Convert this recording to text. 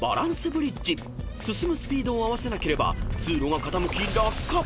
［進むスピードを合わせなければ通路が傾き落下］